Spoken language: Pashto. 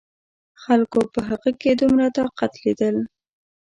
خلکو په هغه کې دومره طاقت لیدل.